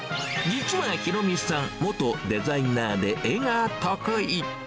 実は裕美さん、元デザイナーで、絵が得意。